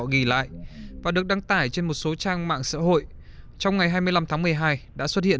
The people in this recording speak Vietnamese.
ghi lại và được đăng tải trên một số trang mạng xã hội trong ngày hai mươi năm tháng một mươi hai đã xuất hiện